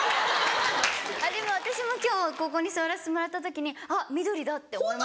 でも私も今日ここに座らせてもらった時に「あっ緑だ」って思いました。